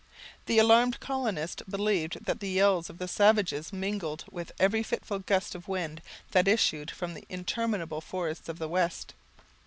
The alarmed colonists believed that the yells of the savages mingled with every fitful gust of wind that issued from the interminable forests of the west.